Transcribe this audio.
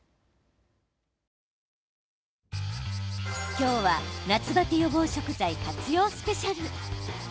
今日は、夏バテ予防食材活用スペシャル。